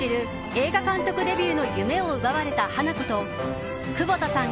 映画監督デビューの夢を奪われた花子と窪田さん